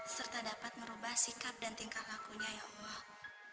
serta dapat merubah sikap dan tingkah lakunya ya allah